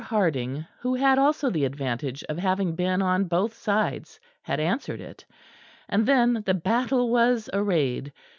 Harding, who had also had the advantage of having been on both sides, had answered it; and then the battle was arrayed.